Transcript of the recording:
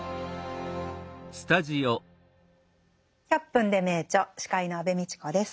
「１００分ｄｅ名著」司会の安部みちこです。